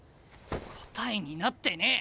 答えになってねえ！